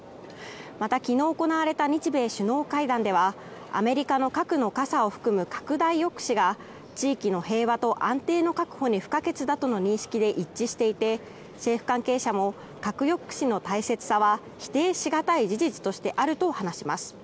また、昨日行われた日米首脳会談ではアメリカの核の傘を含む拡大抑止が地域の平和と安定の確保に不可欠だとの認識で一致していて、政府関係者も核抑止の大切さが否定し難い事実としてあると指摘します。